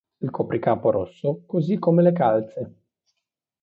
Il copricapo rosso così come le calze.